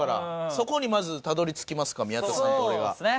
そこにまずたどり着きますか宮田さんと俺が。